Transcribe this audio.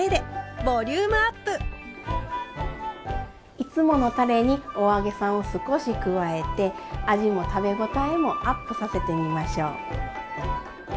いつものたれにお揚げさんを少し加えて味も食べごたえもアップさせてみましょう。